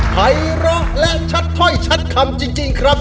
ภัยร้อและชัดถ้อยชัดคำจริงครับ